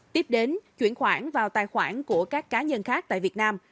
tiếp đến chuyển khoản vào tài khoản của các cá nhân khác tại việt nam